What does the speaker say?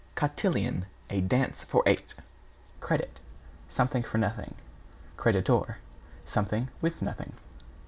=COTILLON= A dance for eight. =CREDIT= Something for nothing. =CREDITOR= Something with nothing.